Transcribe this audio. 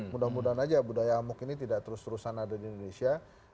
mudah mudahan aja budaya amuk ini tidak terus terusan ada di indonesia